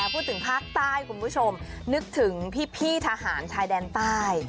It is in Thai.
พูดถึงภาคใต้คุณผู้ชมนึกถึงพี่ทหารชายแดนใต้